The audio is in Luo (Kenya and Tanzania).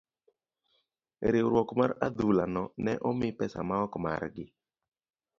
riwruok mar adhula no ne omi pesa maok margi.